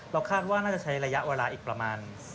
คาดว่าน่าจะใช้ระยะเวลาอีกประมาณ